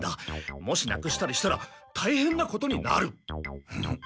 もしなくしたりしたらたいへんなことになる。